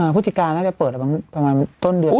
พฤศจิกาน่าจะเปิดประมาณต้นเดือน